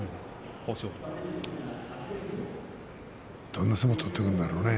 どんな相撲を取っていくんだろうね。